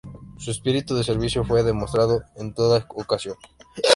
Su espíritu de servicio fue demostrado en toda ocasión.